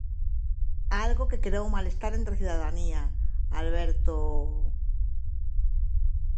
Algo que creou malestar entre a cidadanía, Alberto...